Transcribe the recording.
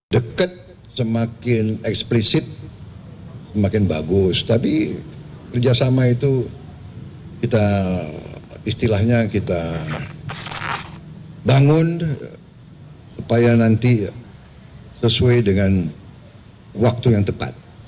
deket semakin eksplisit semakin bagus tapi kerjasama itu kita istilahnya kita bangun supaya nanti sesuai dengan waktu yang tepat